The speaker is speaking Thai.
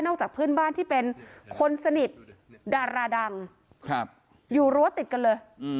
นอกจากพื้นบ้านที่เป็นคนสนิทดาราดังครับอยู่รั้วติดกันเลยอืม